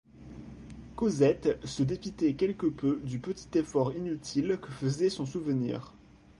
Cosette se dépitait quelque peu du petit effort inutile que faisait son souvenir.